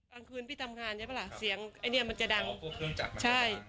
ต่างคืนพี่ตำงานใช่ปะล่ะเสียงไอ้เนี้ยมันจะดังใช่